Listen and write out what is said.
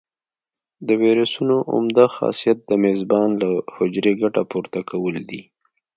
د ویروسونو عمده خاصیت د میزبان له حجرې ګټه پورته کول دي.